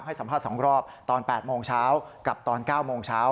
สัมภาษณ์๒รอบตอน๘โมงเช้ากับตอน๙โมงเช้า